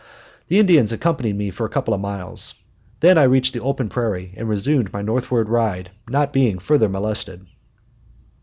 The Indians accompanied me for a couple of miles. Then I reached the open prairie, and resumed my northward ride, not being further molested.